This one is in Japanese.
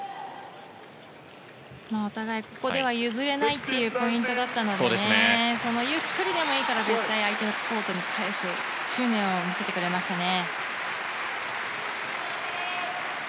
お互いここでは譲れないというポイントだったのでゆっくりでもいいから絶対相手のコートに返すという執念を見せてくれましたね。